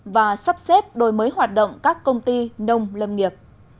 và sắp xếp đổi mới hoạt động các công ty nông lâm nghiệp